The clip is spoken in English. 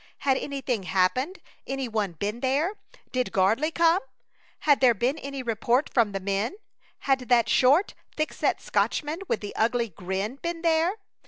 Had anything happened any one been there? Did Gardley come? Had there been any report from the men? Had that short, thick set Scotchman with the ugly grin been there?